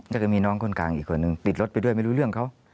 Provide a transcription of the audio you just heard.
ก็คือมีน้องคนกลางอีกคนนึงติดรถไปด้วยไม่รู้เรื่องเขา